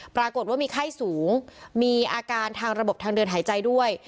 ปรากฏว่ามีไข้สูงมีอาการทางระบบทางเดินหายใจด้วย